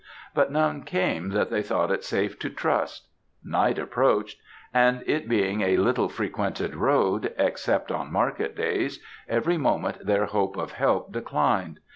But none came that they thought it safe to trust. Night approached; and it being a little frequented road, except on market days, every moment their hope of help declined.